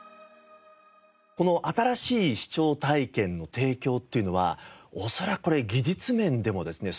この新しい視聴体験の提供というのは恐らくこれ技術面でもですね